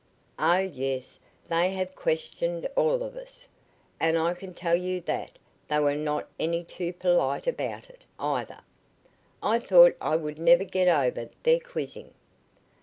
"Oh, yes, they have questioned all of us and I can tell you that they were not any too polite about it, either. I thought I would never get over their quizzing."